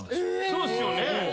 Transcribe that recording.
・そうっすよね。